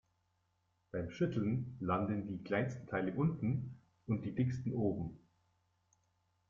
Beim Schütteln landen die kleinsten Teile unten und die dicksten oben.